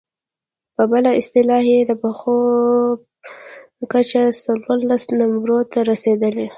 په بله اصطلاح يې د پښو کچه څوارلس نمبرو ته رسېدله.